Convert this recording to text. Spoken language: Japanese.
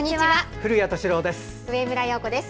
古谷敏郎です。